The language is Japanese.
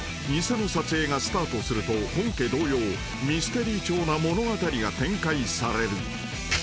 ［偽の撮影がスタートすると本家同様ミステリー調な物語が展開される］